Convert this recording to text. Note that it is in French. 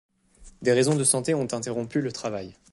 Des raisons de santé ont interrompu le travail.